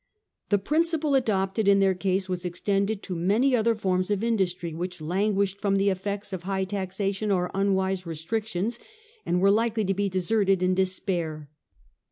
The principle adopted in their case was extended to many other forms of industry which languished from the effects of high taxation or unwise restrictions, and were likely to be deserted in despair.